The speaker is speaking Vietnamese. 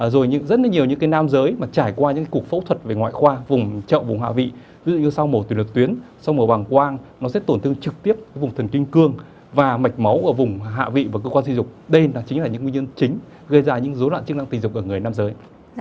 rồi rất là nhiều những nam giới mà trải qua những cuộc phẫu thuật về ngoại khoa vùng trậu vùng hạ vị ví dụ như sau mổ từ lực tuyến sau mổ bằng quang nó sẽ tổn thương trực tiếp vùng thần kinh cương và mạch máu ở vùng hạ vị và cơ quan sinh dục đây chính là những nguyên nhân chính gây ra những dối loạn chức năng tình dục ở người nam giới